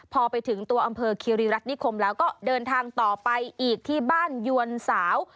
พอไปถึงตัวอำเภอคิริรัตนิคมแล้วก็เดินทางต่อไปอีกที่บ้านยวนสาว